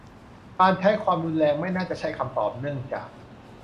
การใช้ความรุนแรงไม่น่าจะใช่คำตอบ เนื่องจาก